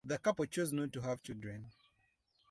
The couple chose not to have children.